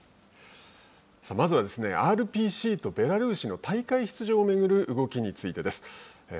まずはＲＰＣとベラルーシの大会出場を巡る動きについてです。